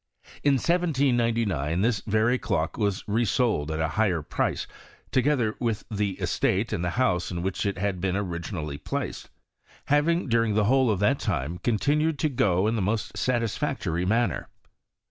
In 1799 this very clock was re sold at a higher price, together with the estate and house in which it had been originally placed ; having during the whole of that time continued to go in the most ^tisfactory manner.